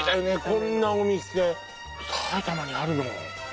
こんなお店埼玉にあるの？